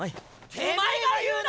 おまえが言うな！